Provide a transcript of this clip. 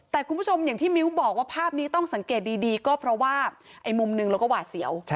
แต่คุณผู้ชมอย่างที่มิ้วบอกว่าภาพนี้ต้องสังเกตดีก็เพราะว่าไอ้มุมหนึ่งเราก็หวาดเสียว